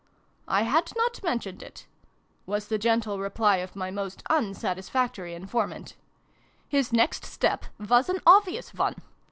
" I had not mentioned it," was the gentle reply of my most unsatisfactory informant. " His next step was an obvious one.